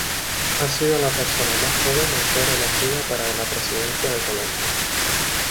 Ha sido la persona más joven en ser elegida para la presidencia de Colombia.